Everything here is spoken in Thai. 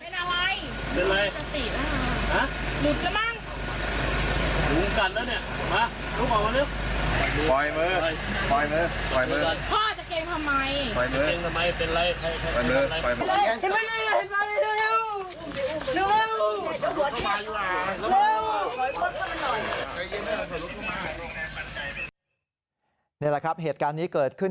นี่แหละครับเหตุการณ์นี้เกิดขึ้น